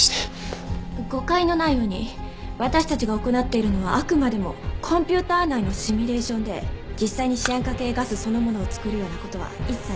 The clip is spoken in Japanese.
誤解のないように私たちが行っているのはあくまでもコンピューター内のシミュレーションで実際にシアン化系ガスそのものを作るような事は一切ありません。